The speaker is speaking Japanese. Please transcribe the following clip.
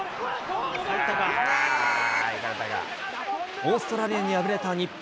オーストラリアに敗れた日本。